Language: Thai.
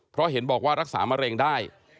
เพราะเห็นบอกว่ารักษามะเร็งได้